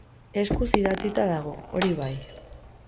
Eskuz idatzita dago, hori bai.